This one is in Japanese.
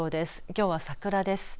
きょうは桜です。